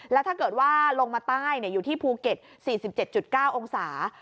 แล้วถ้าเกิดว่าลงมาใต้อยู่ที่ภูเก็ต๔๗๙องศา